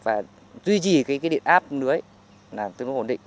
và duy trì cái điện áp nưới là tương ứng ổn định